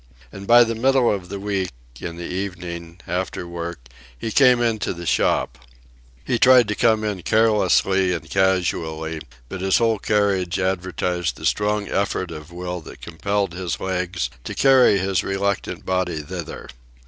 And by the middle of the week, in the evening, after work, he came into the shop. He tried to come in carelessly and casually, but his whole carriage advertised the strong effort of will that compelled his legs to carry his reluctant body thither.